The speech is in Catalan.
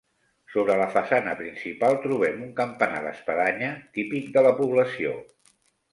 Sobre la façana principal trobem un campanar d'espadanya típic de la població.